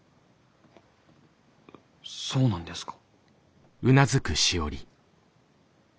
そうなんですか？